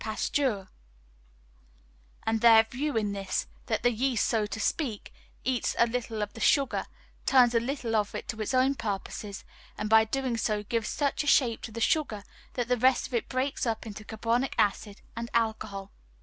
Pasteur, and their view is this, that the yeast, so to speak, eats a little of the sugar, turns a little of it to its own purposes, and by so doing gives such a shape to the sugar that the rest of it breaks up into carbonic acid and alcohol.